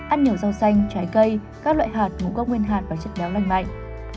ăn nhiều rau xanh trái cây các loại hạt ngũ cốc nguyên hạt và chất béo lành mạnh